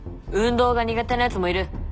運動が苦手なやつもいる。